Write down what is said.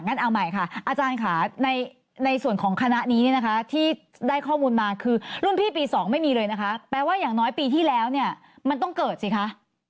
เอาใหม่ค่ะอาจารย์ค่ะในส่วนของคณะนี้เนี่ยนะคะที่ได้ข้อมูลมาคือรุ่นพี่ปี๒ไม่มีเลยนะคะแปลว่าอย่างน้อยปีที่แล้วเนี่ยมันต้องเกิดสิคะ